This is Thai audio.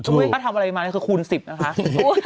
ถ้าทำอะไรมานี่คือคูณ๑๐นะคะ